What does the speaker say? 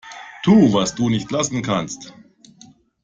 Tu, was du nicht lassen kannst.